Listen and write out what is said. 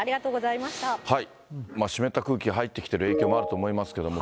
湿った空気が入ってきている影響もあると思いますけれども。